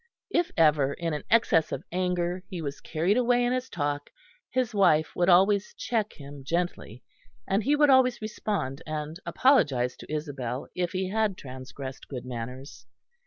If ever in an excess of anger he was carried away in his talk, his wife would always check him gently; and he would always respond and apologise to Isabel if he had transgressed good manners.